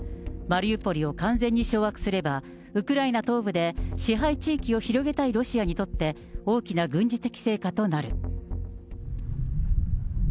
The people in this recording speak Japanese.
マリウポリを完全に掌握すれば、ウクライナ東部で支配地域を広げたいロシアにとって、大きな軍事的成果となる。